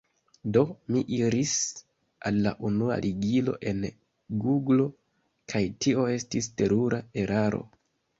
Do, mi iris al la unua ligilo en guglo kaj tio estis terura eraro.